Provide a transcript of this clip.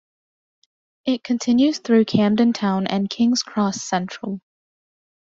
It continues through Camden Town and King's Cross Central.